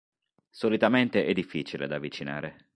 Solitamente è difficile da avvicinare.